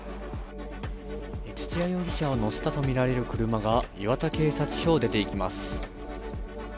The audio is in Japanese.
土屋容疑者を乗せたとみられる車が磐田警察署を出ていきます。